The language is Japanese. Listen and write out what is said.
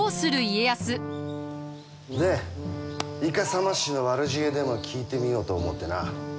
でイカサマ師の悪知恵でも聞いてみようと思うてな。